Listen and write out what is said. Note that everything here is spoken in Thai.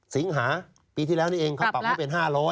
สิงหาปีที่แล้วนี่เองเขาปรับให้เป็น๕๐๐